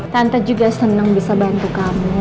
tante juga senang bisa bantu kamu